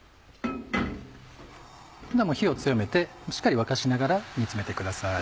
火を強めてしっかり沸かしながら煮つめてください。